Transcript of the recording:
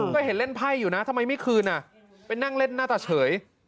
ก็เห็นเล่นไพ่อยู่นะทำไมไม่คืนไปนั่งเล่นหน้าตาเฉย